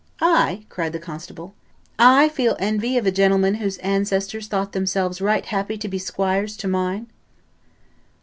"I!" cried the constable; "I feel envy of a gentleman whose ancestors thought themselves right happy to be squires to mine!"